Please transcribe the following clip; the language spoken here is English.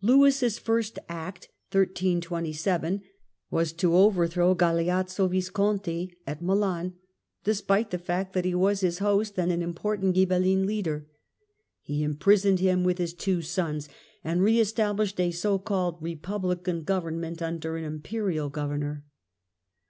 Lewis in Lcwis' first act was to overthrow Galeazzo Visconti Italy, 1327 ^^ ]y[i]an^ despite the fact that he was his host and an important Ghibelline leader ; he imprisoned him with his two sons and re established a so called republican government under an Lnperial Governor.